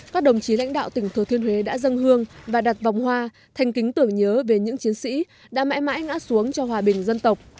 các đồng chí lãnh đạo tỉnh thừa thiên huế đã dâng hương và đặt vòng hoa thành kính tưởng nhớ về những chiến sĩ đã mãi mãi ngã xuống cho hòa bình dân tộc